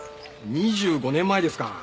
２５年前ですか。